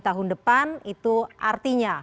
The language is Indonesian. tahun depan itu artinya